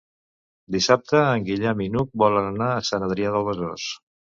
Dissabte en Guillem i n'Hug volen anar a Sant Adrià de Besòs.